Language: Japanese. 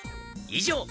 以上！